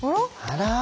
あら。